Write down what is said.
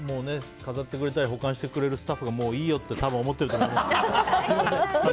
飾ってくれたり保管してくれるスタッフがもういいよって多分、思ってると思う。